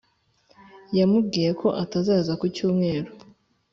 yamubwiye ko atazaza ku cyumweru